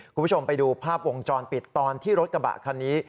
คุณผู้ชมไปดูภาพวงจรปิดตอนที่รถกระบะคันนี้